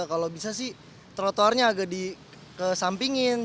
kalau bisa sih trotoarnya agak dikesampingin